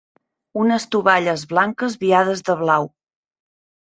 Unes tovalles blanques viades de blau.